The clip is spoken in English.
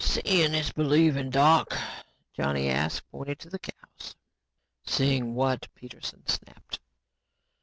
"Seeing is believing. Doc?" Johnny asked, pointing to the cows. "Seeing what?" Peterson snapped.